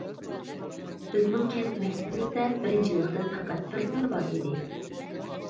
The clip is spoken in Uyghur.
بىزنىڭ كەنت مەكتىپىمىزدە بىرىنچى يىللىقتىن پەقەت بىرسىلا بار ئىدى.